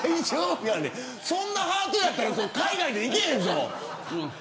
そんなハートやったら海外行けへんぞ。